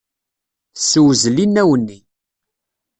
Tessewzel inaw-nni.